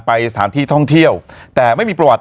สถานที่ท่องเที่ยวแต่ไม่มีประวัติ